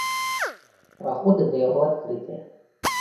Праходы да яго адкрытыя.